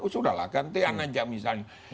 sudahlah gantian aja misalnya